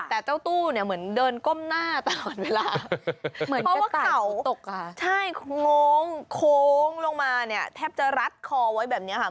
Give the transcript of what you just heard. แต่เจ้าตู้เหมือนเดินก้มหน้าตลอดเวลาเพราะว่าเขาโค้งลงมาแทบจะรัดคอไว้แบบนี้ค่ะ